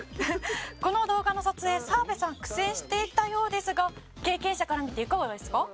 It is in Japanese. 「この動画の撮影澤部さん苦戦していたようですが経験者から見ていかがですか？」